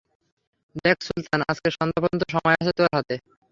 দেখ সুলতান, আজকে সন্ধ্যা পর্যন্ত সময় আছে তোর হাতে।